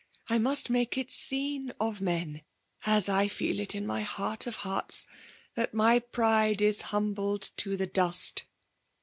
I nrast make it seen ofmMb as I feel it in my heart of hearts, that my pride 18 humbled to the dust.